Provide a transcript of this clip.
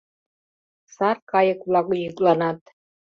Сар кайык-влак йӱкланат.